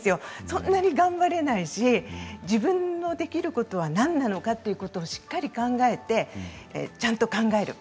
そんなに頑張れないし自分のできることは何なのかということを、しっかり考えてちゃんと考える。